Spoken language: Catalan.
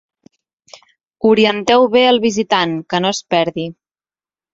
Orienteu bé el visitant, que no es perdi.